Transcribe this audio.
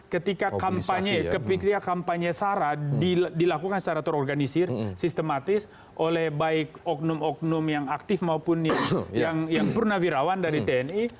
ketika kampanye sara dilakukan secara terorganisir sistematis oleh baik oknum oknum yang aktif maupun yang purnawirawan dari tni